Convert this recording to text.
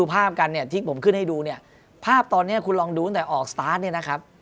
ภาพกันเนี่ยที่ผมขึ้นให้ดูเนี่ยภาพตอนนี้คุณลองดูตั้งแต่ออกสตาร์ทเนี่ยนะครับ